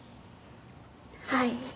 はい。